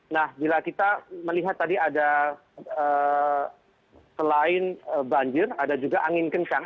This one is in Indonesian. nah bila kita melihat tadi ada selain banjir ada juga angin kencang